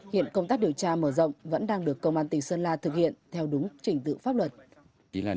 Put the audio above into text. hiện công tác điều tra mở rộng vẫn đang được công an tỉnh sơn la thực hiện theo đúng trình tự pháp luật